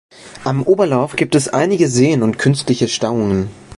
Am Oberlauf gibt es einige Seen und künstliche Stauungen.